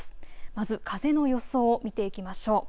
まず風の予想を見ていきましょう。